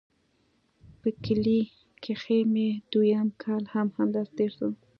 په کلي کښې مې دويم کال هم همداسې تېر سو.